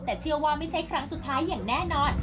แต่เชื่อว่าไม่ใช่ครั้งสุดท้ายอย่างแน่นอน